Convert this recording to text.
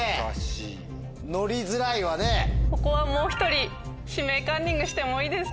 ここはもう１人「指名カンニング」してもいいですか？